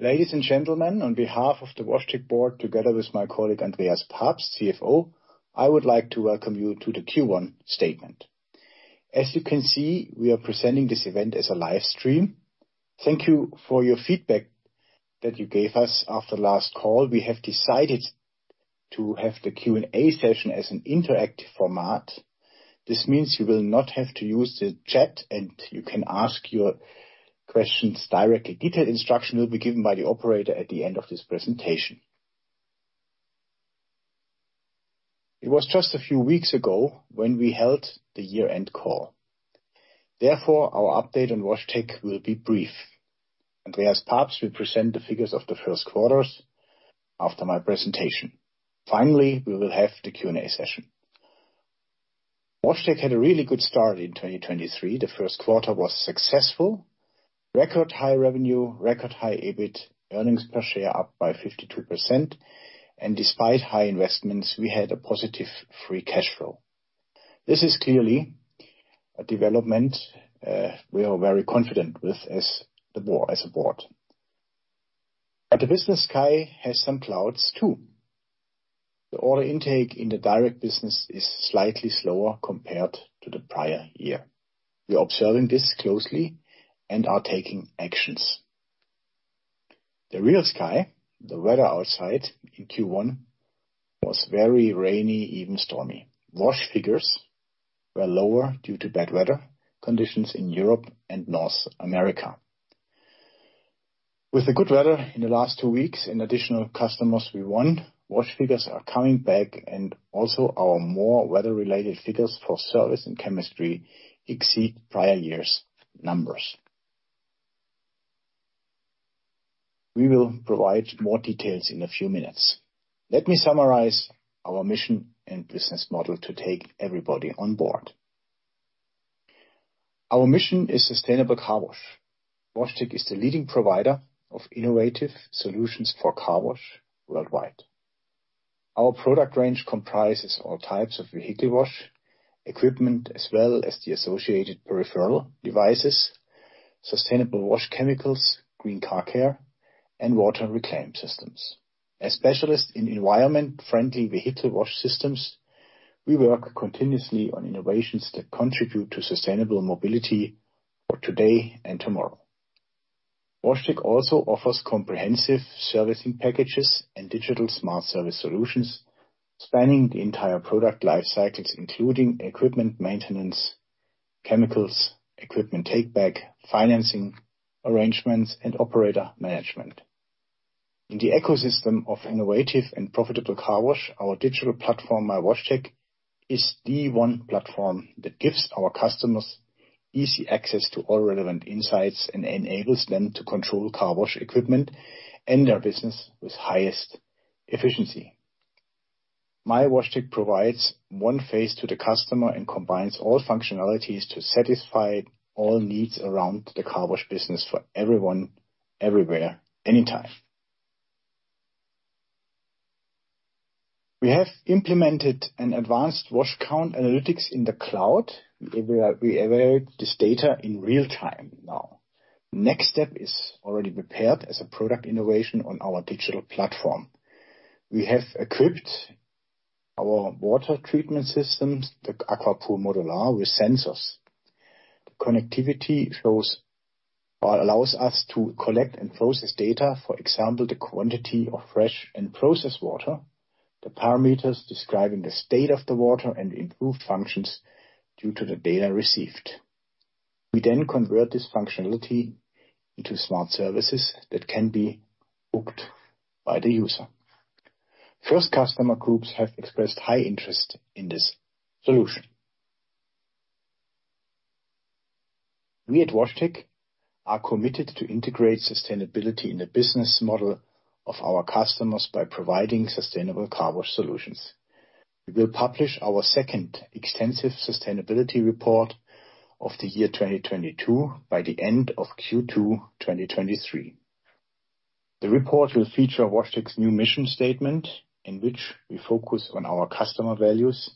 Ladies and gentlemen, on behalf of the WashTec board, together with my colleague Andreas Pabst, CFO, I would like to welcome you to the Q1 statement. As you can see, we are presenting this event as a live stream. Thank you for your feedback that you gave us after last call. We have decided to have the Q&A session as an interactive format. This means you will not have to use the chat, and you can ask your questions directly. Detailed instruction will be given by the operator at the end of this presentation. It was just a few weeks ago when we held the year-end call. Our update on WashTec will be brief. Andreas Pabst will present the figures of the first quarters after my presentation. We will have the Q&A session. WashTec had a really good start in 2023. The first quarter was successful. Record high revenue, record high EBIT, earnings per share up by 52%. Despite high investments, we had a positive free cash flow. This is clearly a development we are very confident with as a board. The business sky has some clouds too. The order intake in the direct business is slightly slower compared to the prior year. We are observing this closely and are taking actions. The real sky, the weather outside in Q1 was very rainy, even stormy. Wash figures were lower due to bad weather conditions in Europe and North America. With the good weather in the last two weeks and additional customers we won, wash figures are coming back and also our more weather-related figures for service and chemistry exceed prior years' numbers. We will provide more details in a few minutes. Let me summarize our mission and business model to take everybody on board. Our mission is sustainable car wash. WashTec is the leading provider of innovative solutions for car wash worldwide. Our product range comprises all types of vehicle wash equipment as well as the associated peripheral devices, sustainable wash chemicals, Green Car Care, and water reclaim systems. As specialists in environment-friendly vehicle wash systems, we work continuously on innovations that contribute to sustainable mobility for today and tomorrow. WashTec also offers comprehensive servicing packages and digital Smart Service solutions spanning the entire product life cycles, including equipment maintenance, chemicals, equipment take back, financing arrangements, and operator management. In the ecosystem of innovative and profitable car wash, our digital platform, mywashtec.com, is the one platform that gives our customers easy access to all relevant insights and enables them to control car wash equipment and their business with highest efficiency. mywashtec.com provides one face to the customer and combines all functionalities to satisfy all needs around the car wash business for everyone, everywhere, anytime. We have implemented an advanced wash count analytics in the cloud. We avail this data in real time now. Next step is already prepared as a product innovation on our digital platform. We have equipped our water treatment systems, the AquaPur Modular, with sensors. Connectivity shows or allows us to collect and process data. For example, the quantity of fresh and processed water, the parameters describing the state of the water, and improved functions due to the data received. We then convert this functionality into Smart Services that can be booked by the user. First customer groups have expressed high interest in this solution. We at WashTec are committed to integrate sustainability in the business model of our customers by providing sustainable car wash solutions. We will publish our second extensive sustainability report of the year 2022 by the end of Q2 2023. The report will feature WashTec's new mission statement, in which we focus on our customer values.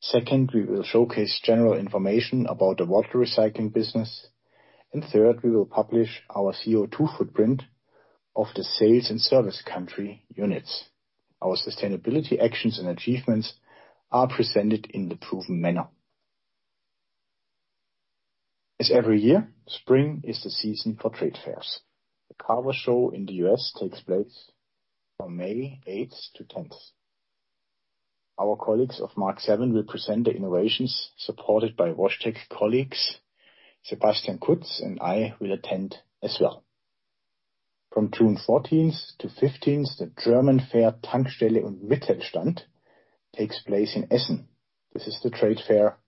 Second, we will showcase general information about the water recycling business. Third, we will publish our CO2 footprint of the sales and service country units. Our sustainability actions and achievements are presented in the proven manner. As every year, spring is the season for trade fairs. The Car Wash Show in the U.S. takes place from May eighth to tenth. Our colleagues of Mark VII will present the innovations supported by WashTec colleagues. Sebastian Kutz and I will attend as well. From June 14th to 15th, the German fair, Tankstelle & Mittelstand, takes place in Essen. This is the trade fair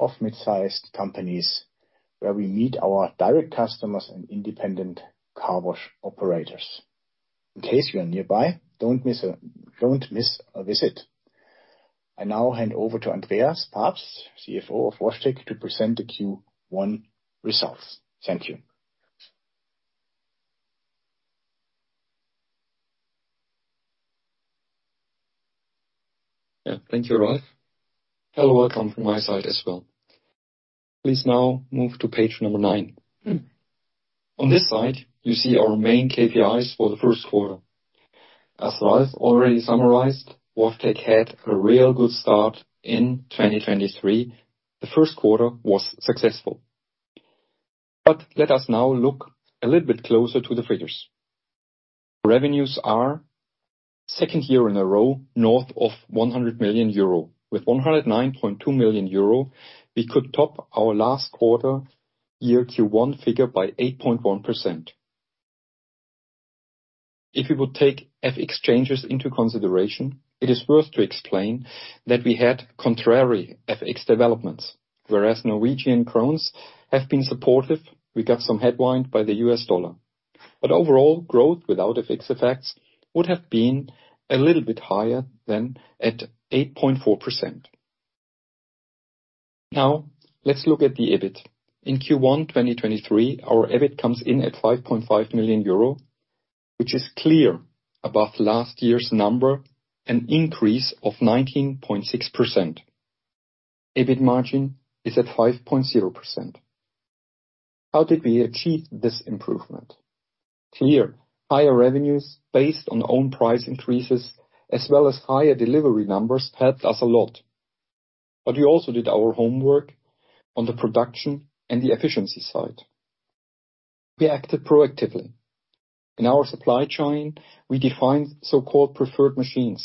of mid-sized companies, where we meet our direct customers and independent car wash operators. In case you are nearby, don't miss a visit. I now hand over to Andreas Pabst, CFO of WashTec, to present the Q1 results. Thank you. Yeah, thank you, Ralf. Hello, welcome from my side as well. Please now move to page number 9. On this slide, you see our main KPIs for the first quarter. As Ralf already summarized, WashTec had a real good start in 2023. The first quarter was successful. Let us now look a little bit closer to the figures. Revenues are second year in a row, north of 100 million euro. With 109.2 million euro, we could top our last quarter year Q1 figure by 8.1%. If you will take FX changes into consideration, it is worth to explain that we had contrary FX developments. Whereas Norwegian krones have been supportive, we got some headwind by the US dollar. Overall growth without FX effects would have been a little bit higher than at 8.4%. Let's look at the EBIT. In Q1 2023, our EBIT comes in at 5.5 million euro, which is clear above last year's number, an increase of 19.6%. EBIT margin is at 5.0%. How did we achieve this improvement? Clear, higher revenues based on own price increases, as well as higher delivery numbers helped us a lot. We also did our homework on the production and the efficiency side. We acted proactively. In our supply chain, we defined so-called preferred machines.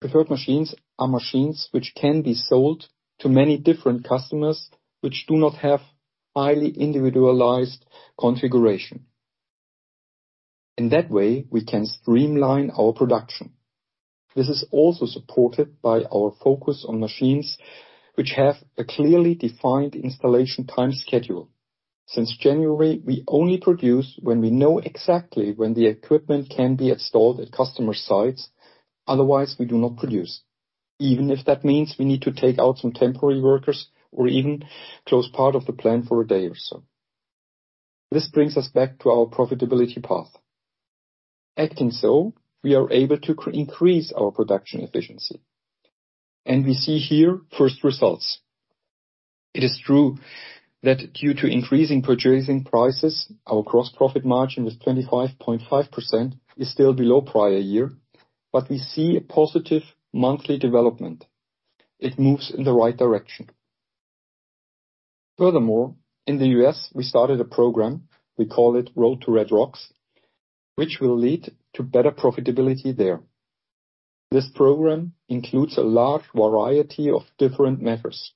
preferred machines are machines which can be sold to many different customers which do not have highly individualized configuration. In that way, we can streamline our production. This is also supported by our focus on machines which have a clearly defined installation time schedule. Since January, we only produce when we know exactly when the equipment can be installed at customer sites. Otherwise, we do not produce, even if that means we need to take out some temporary workers or even close part of the plant for a day or so. This brings us back to our profitability path. Acting so, we are able to increase our production efficiency. We see here first results. It is true that due to increasing purchasing prices, our gross profit margin with 25.5% is still below prior year, we see a positive monthly development. It moves in the right direction. Furthermore, in the U.S., we started a program, we call it Road to Red Rocks, which will lead to better profitability there. This program includes a large variety of different methods,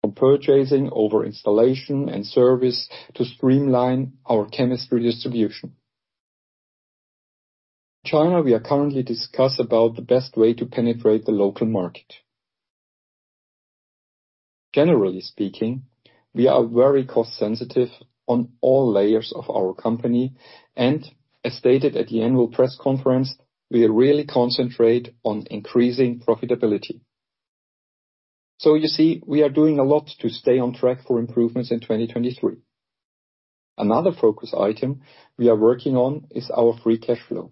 from purchasing over installation and service to streamline our chemistry distribution. China, we are currently discuss about the best way to penetrate the local market. Generally speaking, we are very cost sensitive on all layers of our company. As stated at the annual press conference, we really concentrate on increasing profitability. You see, we are doing a lot to stay on track for improvements in 2023. Another focus item we are working on is our free cash flow.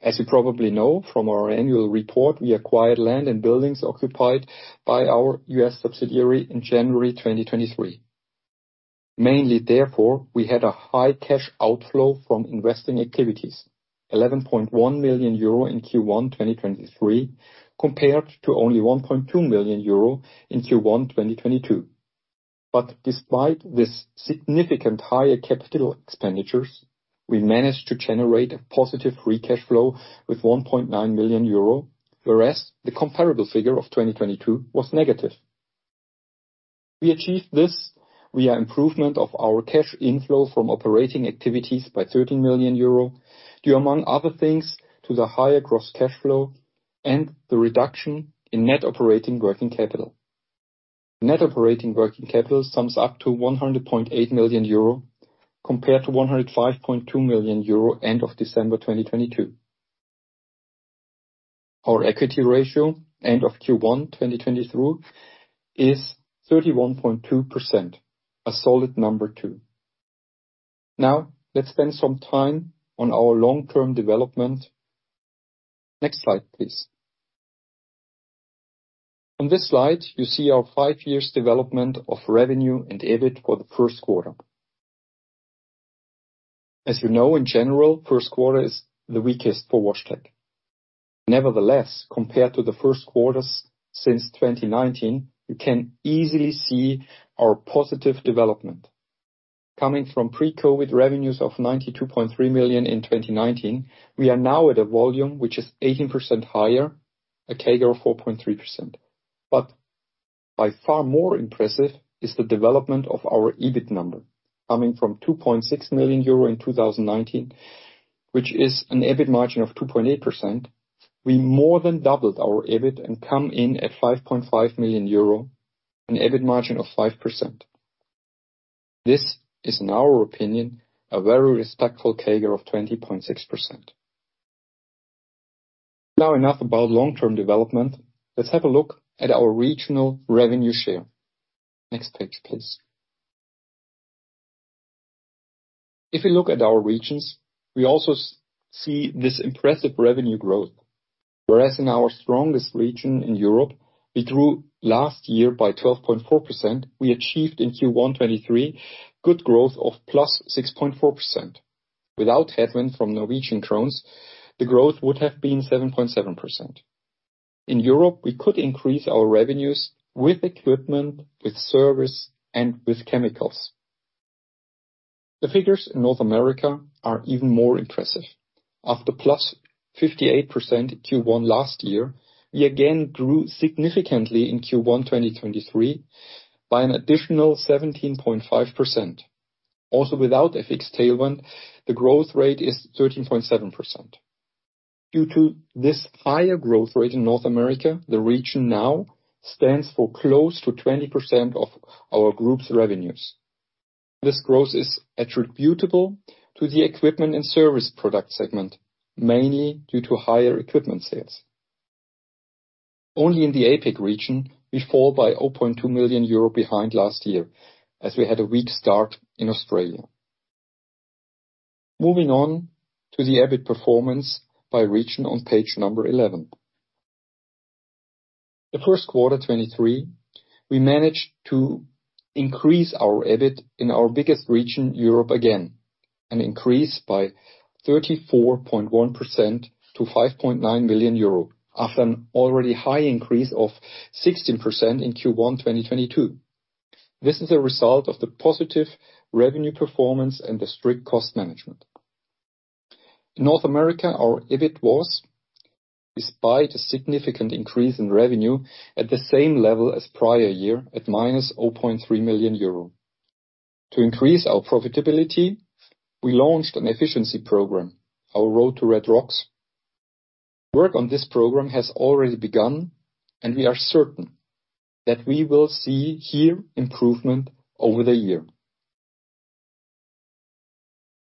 As you probably know from our annual report, we acquired land and buildings occupied by our US subsidiary in January 2023. Mainly therefore, we had a high cash outflow from investing activities, 11.1 million euro in Q1 2023, compared to only 1.2 million euro in Q1 2022. Despite this significant higher capital expenditures, we managed to generate a positive free cash flow with 1.9 million euro, whereas the comparable figure of 2022 was negative. We achieved this via improvement of our cash inflow from operating activities by 13 million euro, due among other things, to the higher gross cash flow and the reduction in Net operating working capital. Net operating working capital sums up to 100.8 million euro compared to 105.2 million euro end of December 2022. Our equity ratio end of Q1 2022 is 31.2%, a solid number too. Let's spend some time on our long-term development. Next slide, please. On this slide, you see our five years development of revenue and EBIT for the first quarter. As you know, in general, first quarter is the weakest for WashTec. Compared to the first quarters since 2019, you can easily see our positive development. Coming from pre-COVID revenues of 92.3 million in 2019, we are now at a volume which is 18% higher, a CAGR of 4.3%. By far more impressive is the development of our EBIT number. Coming from 2.6 million euro in 2019, which is an EBIT margin of 2.8%, we more than doubled our EBIT and come in at 5.5 million euro, an EBIT margin of 5%. This is, in our opinion, a very respectful CAGR of 20.6%. Enough about long-term development. Let's have a look at our regional revenue share. Next page, please. If we look at our regions, we also see this impressive revenue growth. Whereas in our strongest region in Europe, we grew last year by 12.4%. We achieved in Q1 2023 good growth of +6.4%. Without headwind from Norwegian Krone, the growth would have been 7.7%. In Europe, we could increase our revenues with equipment, with service, and with chemicals. The figures in North America are even more impressive. After +58% Q1 last year, we again grew significantly in Q1 2023 by an additional 17.5%. Also, without FX tailwind, the growth rate is 13.7%. Due to this higher growth rate in North America, the region now stands for close to 20% of our group's revenues. This growth is attributable to the equipment and service product segment, mainly due to higher equipment sales. Only in the APAC region, we fall by 0.2 million euro behind last year, as we had a weak start in Australia. Moving on to the EBIT performance by region on page 11. In Q1 2023, we managed to increase our EBIT in our biggest region, Europe, again, an increase by 34.1% to 5.9 million euro, after an already high increase of 16% in Q1 2022. This is a result of the positive revenue performance and the strict cost management. In North America, our EBIT was, despite a significant increase in revenue, at the same level as prior year, at -0.3 million euro. To increase our profitability, we launched an efficiency program, Our Road to Red Rocks. Work on this program has already begun, and we are certain that we will see here improvement over the year.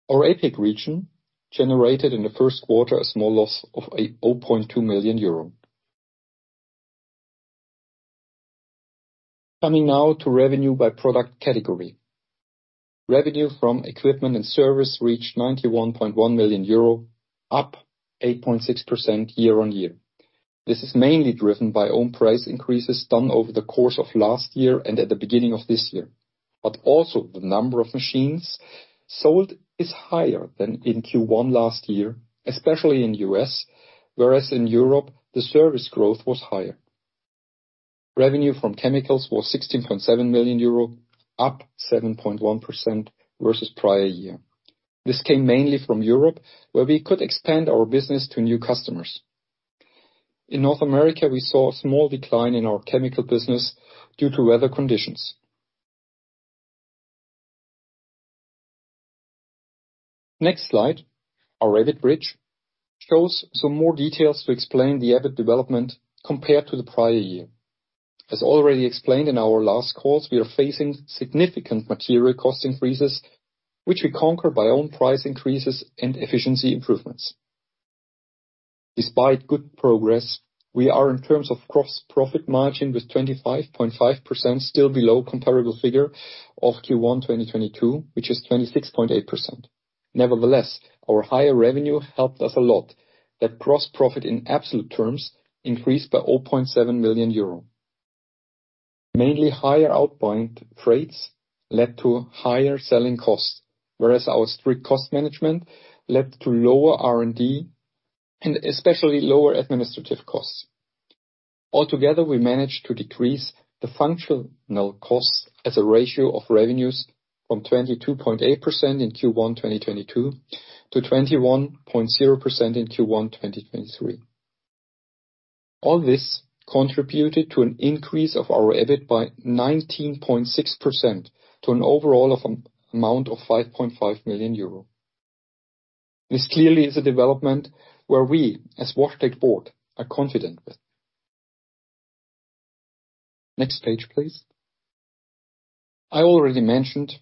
Our APAC region generated in the first quarter a small loss of 0.2 million euro. Coming now to revenue by product category. Revenue from equipment and service reached 91.1 million euro, up 8.6% year-on-year. This is mainly driven by own price increases done over the course of last year and at the beginning of this year. Also the number of machines sold is higher than in Q1 last year, especially in U.S., whereas in Europe, the service growth was higher. Revenue from chemicals was 16.7 million euro, up 7.1% versus prior year. This came mainly from Europe, where we could expand our business to new customers. In North America, we saw a small decline in our chemical business due to weather conditions. Next slide, our EBIT bridge, shows some more details to explain the EBIT development compared to the prior year. As already explained in our last calls, we are facing significant material cost increases, which we conquer by own price increases and efficiency improvements. Despite good progress, we are in terms of Gross profit margin with 25.5% still below comparable figure of Q1 2022, which is 26.8%. Nevertheless, our higher revenue helped us a lot. That Gross profit in absolute terms increased by 0.7 million euro. Mainly higher outbound freight led to higher selling costs, whereas our strict cost management led to lower R&D and especially lower administrative costs. We managed to decrease the functional costs as a ratio of revenues from 22.8% in Q1 2022 to 21.0% in Q1 2023. All this contributed to an increase of our EBIT by 19.6% to an overall amount of 5.5 million euro. This clearly is a development where we, as WashTec Board, are confident with. Next page, please. I already mentioned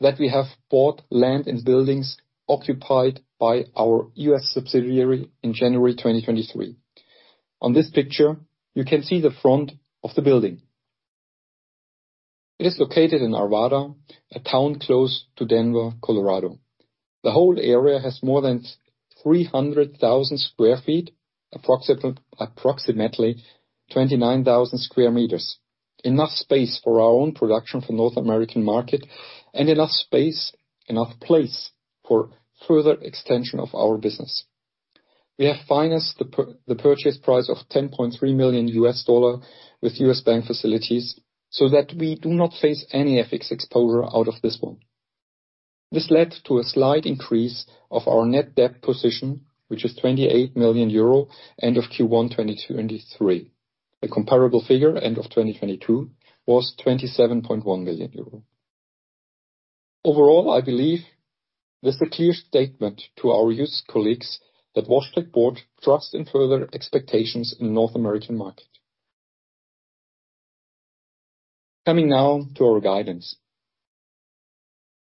that we have bought land and buildings occupied by our U.S. subsidiary in January 2023. On this picture, you can see the front of the building. It is located in Arvada, a town close to Denver, Colorado. The whole area has more than 300,000 sq ft, approximately 29,000 sq m. Enough space for our own production for North American market and enough space for further extension of our business. We have financed the purchase price of $10.3 million with U.S. bank facilities so that we do not face any FX exposure out of this one. This led to a slight increase of our net debt position, which is 28 million euro end of Q1 2023. A comparable figure, end of 2022, was 27.1 million euro. Overall, I believe this is a clear statement to our U.S. colleagues that WashTec Board trusts in further expectations in the North American market. Coming now to our guidance.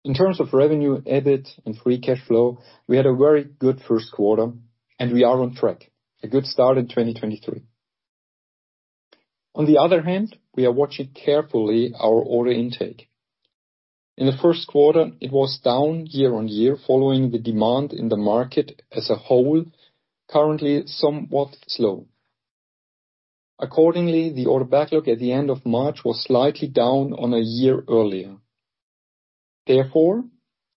In terms of revenue, EBIT, and free cash flow, we had a very good first quarter. We are on track. A good start in 2023. On the other hand, we are watching carefully our order intake. In the first quarter, it was down year-on-year following the demand in the market as a whole, currently somewhat slow. Accordingly, the order backlog at the end of March was slightly down on a year earlier. Therefore,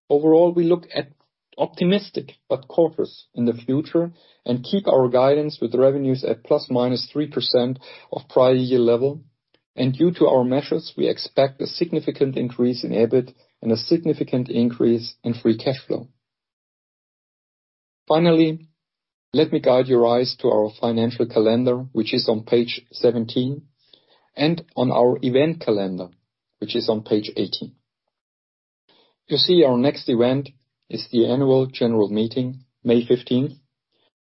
overall, we look at optimistic but cautious in the future and keep our guidance with revenues at ±3% of prior year level. Due to our measures, we expect a significant increase in EBIT and a significant increase in free cash flow. Finally, let me guide your eyes to our financial calendar, which is on page 17, and on our event calendar, which is on page 18. You see our next event is the annual general meeting May 15th,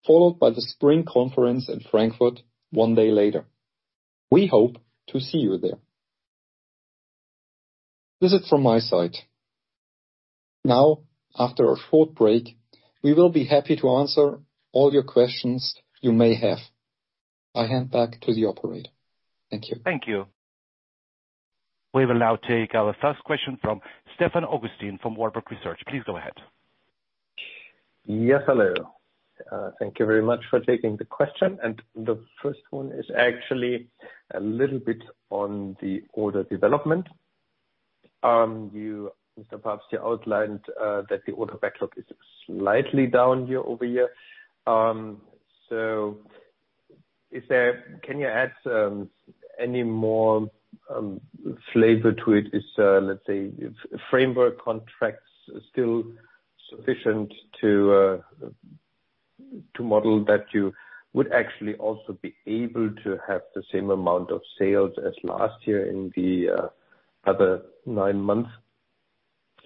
followed by the spring conference in Frankfurt one day later. We hope to see you there. This is from my side. After a short break, we will be happy to answer all your questions you may have. I hand back to the operator. Thank you. Thank you. We will now take our first question from Stefan Augustin from Warburg Research. Please go ahead. Yes, hello. Thank you very much for taking the question. The first one is actually a little bit on the order development. You, Mr. Pabst, you outlined that the order backlog is slightly down year-over-year. Can you add any more flavor to it? Is, let's say, if framework contracts still sufficient to model that you would actually also be able to have the same amount of sales as last year in the other 9 months?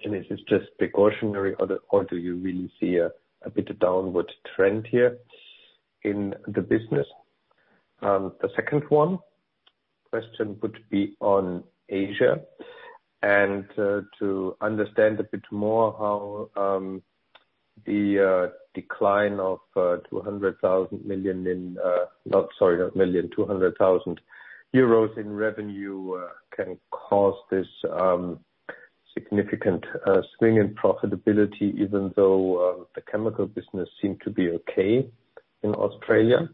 Is this just precautionary or do you really see a bit downward trend here in the business? The second question would be on Asia to understand a bit more how the decline of 200,000 EUR in revenue can cause this significant swing in profitability, even though the chemical business seem to be okay in Australia.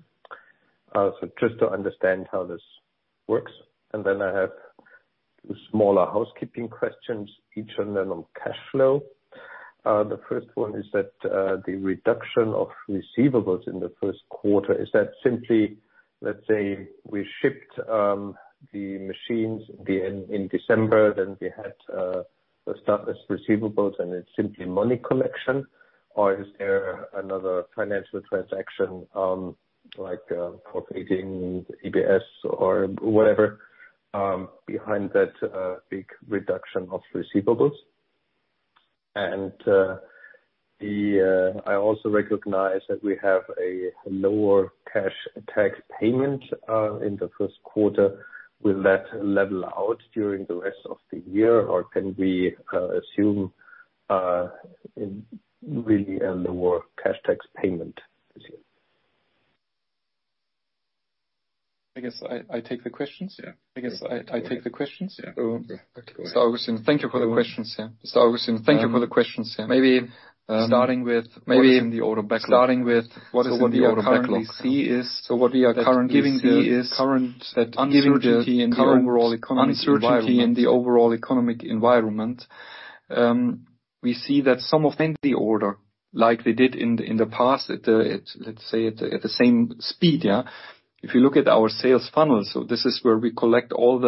Just to understand how this works. I have two smaller housekeeping questions, each on then on cash flow. The first one is the reduction of receivables in the first quarter, is that simply, let's say, we shipped the machines in December, then we had the stuff as receivables, and it's simply money collection? Or is there another financial transaction, like Forfaiting EBS or whatever, behind that big reduction of receivables? I also recognize that we have a lower cash tax payment, in the first quarter. Will that level out during the rest of the year, or can we assume really a lower cash tax payment this year? I guess I take the questions. Yeah. I guess I take the questions. Yeah. Go ahead. Augustin, thank you for the questions. Yeah. Maybe starting with what is in the order backlog. What we are currently see is that giving the current uncertainty in the overall economic environment, we see that some of the order like they did in the past, uh, let’s say, at the same speed, yeah. If you look at our sales funnel, this is where we collect all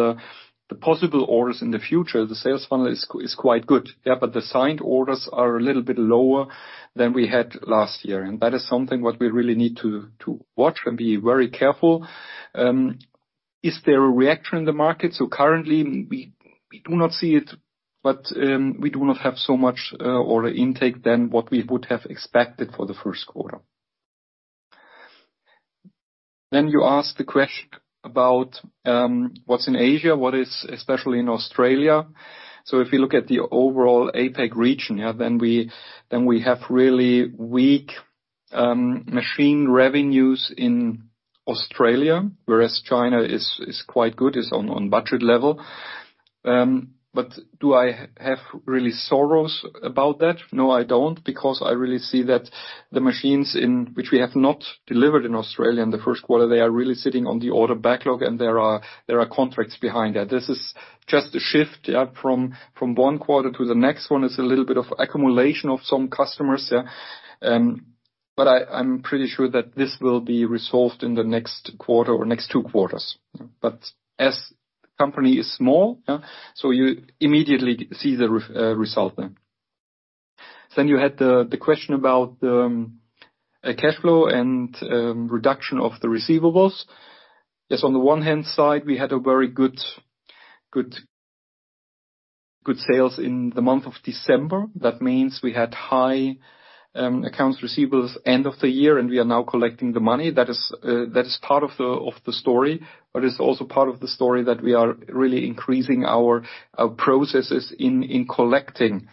the possible orders in the future. The sales funnel is quite good, yeah. The signed orders are a little bit lower than we had last year, and that is something what we really need to watch and be very careful. Is there a reaction in the market? Currently we do not see it, but we do not have so much order intake than what we would have expected for the first quarter. You ask the question about what's in Asia, what is especially in Australia. If you look at the overall APAC region, we have really weak machine revenues in Australia, whereas China is quite good. It's on budget level. Do I have really sorrows about that? No, I don't. I really see that the machines in which we have not delivered in Australia in the first quarter, they are really sitting on the order backlog, and there are contracts behind that. This is just a shift from one quarter to the next one. It's a little bit of accumulation of some customers. I'm pretty sure that this will be resolved in the next quarter or next 2 quarters. As company is small, yeah, so you immediately see the result then. You had the question about cash flow and reduction of the receivables. Yes, on the one hand side, we had a very good sales in the month of December. That means we had high accounts receivables end of the year, and we are now collecting the money. That is part of the story, but it's also part of the story that we are really increasing our processes in collecting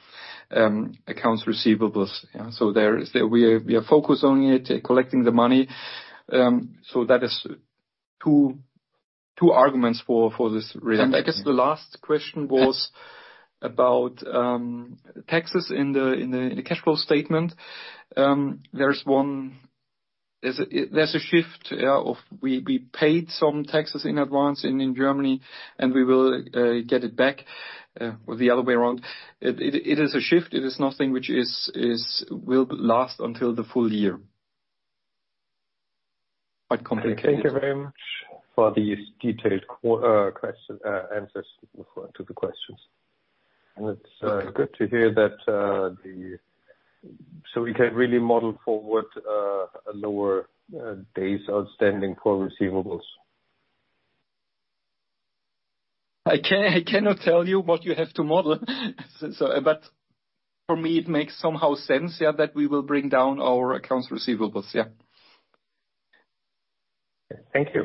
accounts receivables. Yeah, we are focused on it, collecting the money. That is 2 Two arguments for this reduction. I guess the last question was about taxes in the, in the, in the cash flow statement. There's a shift, yeah, of we paid some taxes in advance in Germany, and we will get it back or the other way around. It is a shift. It is nothing which will last until the full year. Quite complicated. Thank you very much for these detailed question, answers to the questions. It's good to hear that we can really model forward, lower days outstanding for receivables. I cannot tell you what you have to model. But for me it makes somehow sense, yeah, that we will bring down our accounts receivables, yeah. Thank you.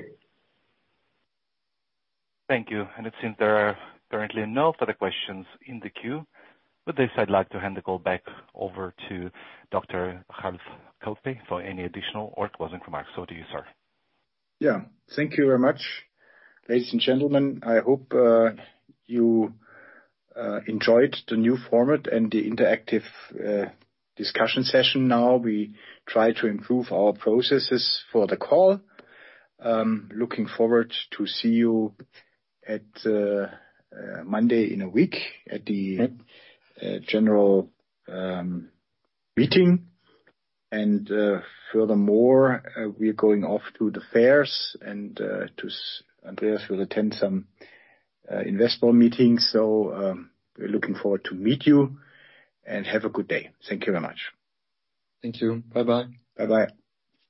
Thank you. It seems there are currently no further questions in the queue. With this, I'd like to hand the call back over to Dr. Ralf Koeppe for any additional or closing remarks. Over to you, sir. Yeah. Thank you very much. Ladies and gentlemen, I hope you enjoyed the new format and the interactive discussion session now. We try to improve our processes for the call. Looking forward to see you at Monday in a week at the general meeting. Furthermore, we're going off to the fairs and Andreas will attend some investment meetings. We're looking forward to meet you and have a good day. Thank you very much. Thank you. Bye-bye. Bye-bye.